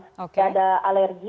nggak ada alergi